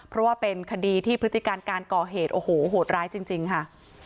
เพราะว่าเป็นคดีที่พฤติการการก่อเหตุโอ้โหโหดร้ายจริงค่ะ